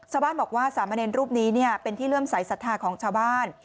ชาวบ้านบอกว่าสามเณรรูปนี้เป็นที่เริ่มสายศรัทธาของชาวบ้าน